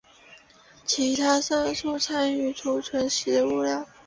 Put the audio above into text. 其他色素体参与储存食料。